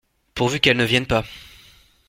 Pourvu qu’elles ne viennent pas !